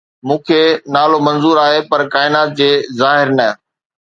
مون کي نالو منظور آهي پر ڪائنات جي ظاهر نه